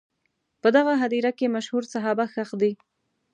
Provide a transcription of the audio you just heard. په دغه هدیره کې مشهور صحابه ښخ دي.